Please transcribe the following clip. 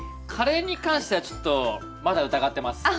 カレーに関してはちょっとまだ疑ってます。